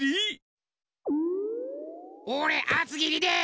おれあつぎりで！